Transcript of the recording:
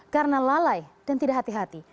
karena lalai dan tidak hati hati